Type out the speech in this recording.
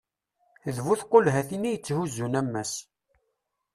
d bu tqulhatin i yetthuzzun ammas